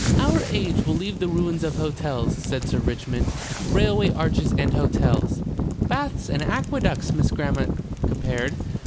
"Our age will leave the ruins of hotels," said Sir Richmond. "Railway arches and hotels." "Baths and aqueducts," Miss Grammont compared.